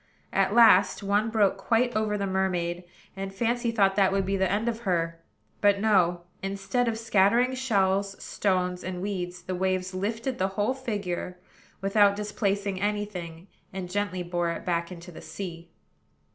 At last one broke quite over the mermaid, and Fancy thought that would be the end of her. But, no: instead of scattering shells, stones, and weeds, the waves lifted the whole figure, without displacing any thing, and gently bore it back into the sea.